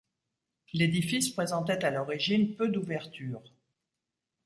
L’édifice présentait à l’origine peu d’ouvertures.